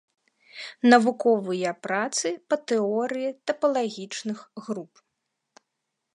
Навуковыя працы па тэорыі тапалагічных груп.